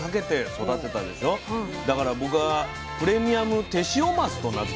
だから僕はプレミアムテシオマスと名付けます。